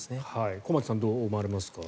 駒木さんはどう思われますか。